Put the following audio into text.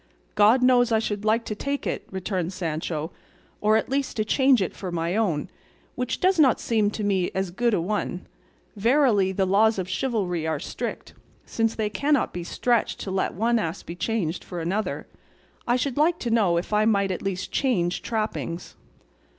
"God knows I should like to take it," returned Sancho, "or at least to change it for my own, which does not seem to me as good a one: verily the laws of chivalry are strict, since they cannot be stretched to let one ass be changed for another; I should like to know if I might at least change trappings."